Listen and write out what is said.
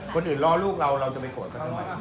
คนอื่นร้อลูกเราเราจะไปโกรธกันไหม